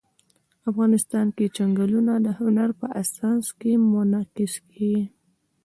افغانستان کې چنګلونه د هنر په اثار کې منعکس کېږي.